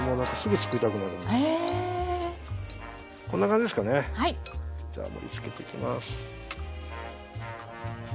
じゃ盛りつけていきます。